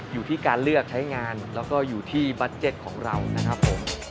อยู่ที่การเลือกใช้งานและอายุของเรานะครับ